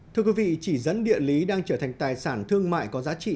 thưa quý vị chỉ dẫn địa lý đang trở thành tài sản thương mại có giá trị